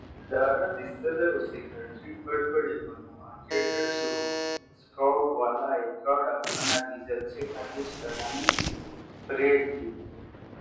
ادارہ سی صدر او سیکرٹری بڑبڑ ئے بنُو آں کیڈٹس او سکاؤٹس والا ئے )گارڈ آف آنر( عزت سی خاطر سلأمی سی پریڈ، دیِد